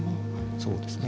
そうですね。